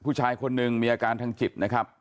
ผู้ชายคนหนึ่งมีอาการทางจิตนะครับ